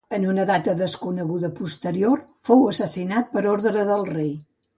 En una data desconeguda posterior, fou assassinat per orde del rei.